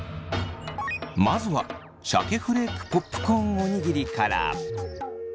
まずはシャケフレークポップコーンおにぎりから。